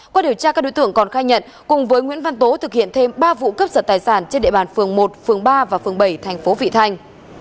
qua điều tra các đối tượng còn khai nhận cùng với nguyễn văn tố thực hiện thêm ba vụ cướp giật tài sản trên địa bàn phường một phường ba và phường bảy thành phố vị thanh